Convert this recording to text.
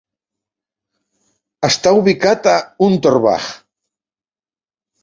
Està ubicat a Unterbach.